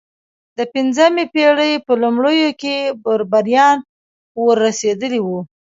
د پنځمې پېړۍ په لومړیو کې بربریان ور رسېدلي وو.